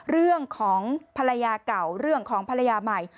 เรื่องของภรรยาเก่าเรื่องของภรรยาใหม่